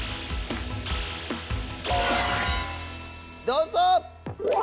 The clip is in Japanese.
どうぞ！